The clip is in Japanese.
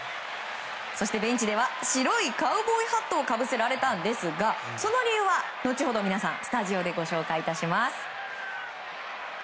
そして、ベンチでは白いカウボーイハットをかぶせられたんですがその理由は後ほどスタジオでご紹介致します。